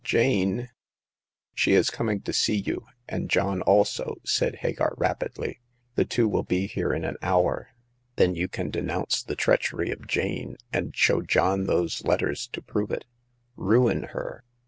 Jane "She is coming to see you ; and John also," said Hagar, rapidly. The two will be here in an hour. Then you can denounce the treachery of Jane, and show John those letters to prove it. Ruin her